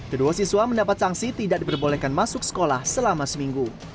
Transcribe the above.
kedua siswa mendapat sanksi tidak diperbolehkan masuk sekolah selama seminggu